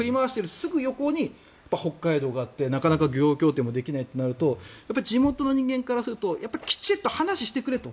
ナイフを振り回しているすぐ横に北海道があって協定もできないとなると地元の人間からするときちんと話をしてくれと。